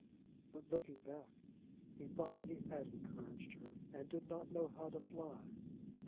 But looking back, he thought that he had encouraged her, and did not know how to fly.